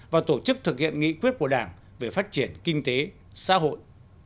và tổ chức thực hiện nghị quyết của đảng về phát triển kinh tế xã hội